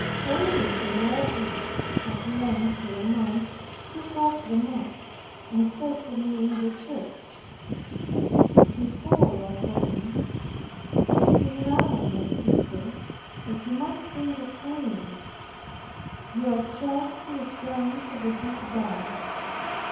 Failing in all these, at length La Mothe took off the mask, and said to me in the church, before La Combe, "It is now, my sister, that you must think of fleeing, you are charged with crimes of a deep dye."